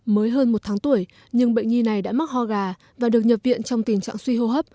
mới hơn một tháng tuổi nhưng bệnh nhi này đã mắc ho gà và được nhập viện trong tình trạng suy hô hấp